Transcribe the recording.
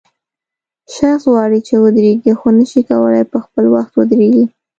شخص غواړي چې ودرېږي خو نشي کولای په خپل وخت ودرېږي.